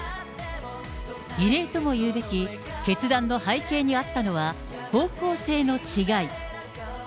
異例ともいうべき決断の背景にあったのは、方向性の違い。